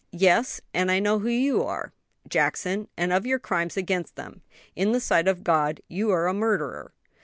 "Yes; and I know who you are, Jackson, and of your crimes against them. In the sight of God you are a murderer."